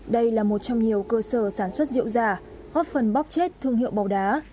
đây là một trong nhiều cơ sở sản xuất rượu giả góp phần bóc chết thương hiệu bầu đá